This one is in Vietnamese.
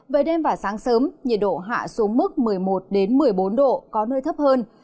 về đêm và sáng sớm nhiệt độ hạ xuống mức một mươi một một mươi bốn độ có nơi thấp hơn